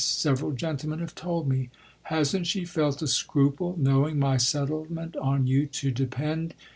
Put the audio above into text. Several gentlemen have told me. Hasn't she felt a scruple, knowing my settlement on you to depend